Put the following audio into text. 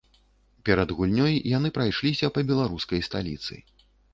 Перад гульнёй яны прайшліся па беларускай сталіцы.